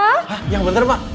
hah yang bener pak